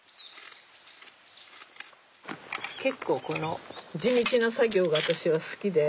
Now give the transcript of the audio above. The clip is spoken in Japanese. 結構この地道な作業が私は好きで。